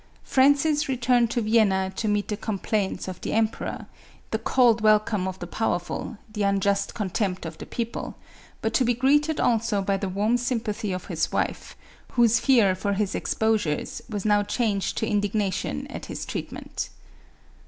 Francis re turned to Vienna to meet the complaints of the em 190 MARIA THERESA. peror, the cold welcome of the powerful, the unjust contempt of the people, but to be greeted also by the warm sympathy of his wife, whose fear for his expo sures was now changed to indignation at his treat ment.